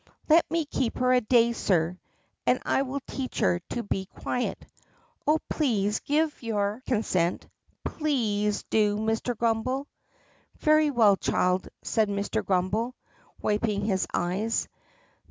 "Let me keep her a day, sir, and I will teach her to be quiet. Oh, please, give your consent! Please do, Mr. Grumm bel!" "Very well, child," said Mr. Grummbel, wiping his eyes.